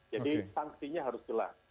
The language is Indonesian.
jadi sanksinya harus jelas